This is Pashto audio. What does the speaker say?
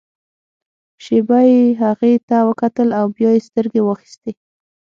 شېبه يې هغې ته وکتل او بيا يې سترګې واخيستې.